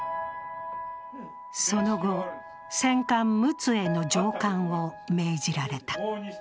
その後、戦艦「陸奥」への乗艦を命じられた。